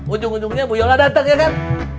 ujung ujungnya bu yola datang ya kan